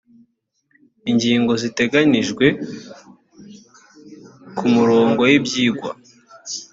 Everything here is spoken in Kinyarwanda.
ingingo ziteganyijwe ku murongo w ibyigwa